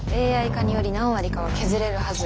ＡＩ化により何割かは削れるはず。